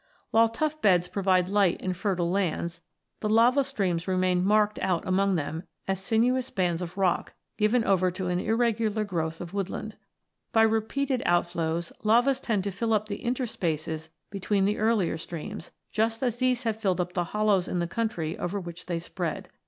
While tuff beds provide light and fertile lands, the lava streams remain marked out among them, as sinuous bands of rock, given over to an irregular growth of woodland. By repeated outflows, lavas tend to fill up the interspaces between the earlier streams, just as these have filled up the hollows in the country over which they spread.